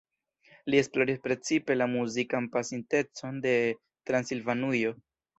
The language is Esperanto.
Li esploris precipe la muzikan pasintecon de Transilvanujo.